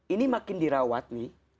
ini makin dirawat nih